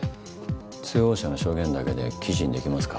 通報者の証言だけで記事にできますか？